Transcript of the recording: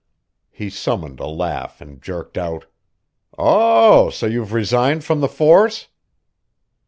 He summoned a laugh and jerked out: "Oh, so you've resigned from the force?"